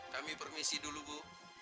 kami permisi dulu bu